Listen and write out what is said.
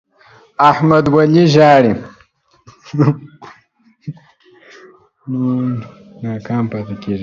احمد ولي ژاړي؟